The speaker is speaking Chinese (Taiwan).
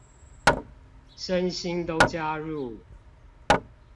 身心都加入